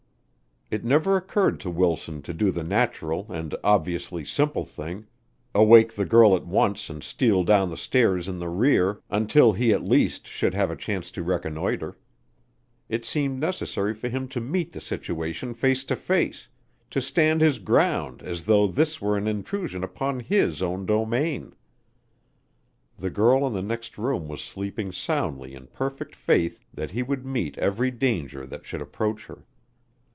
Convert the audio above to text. It never occurred to Wilson to do the natural and obviously simple thing: awake the girl at once and steal down the stairs in the rear until he at least should have a chance to reconnoitre. It seemed necessary for him to meet the situation face to face, to stand his ground as though this were an intrusion upon his own domain. The girl in the next room was sleeping soundly in perfect faith that he would meet every danger that should approach her.